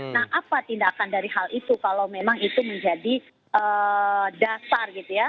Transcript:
nah apa tindakan dari hal itu kalau memang itu menjadi dasar gitu ya